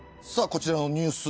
こちらのニュース。